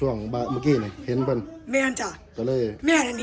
อันดับสุดท้ายก็คืออันดับสุดท้าย